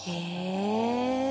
へえ。